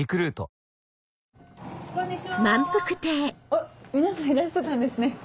あっ皆さんいらしてたんですね。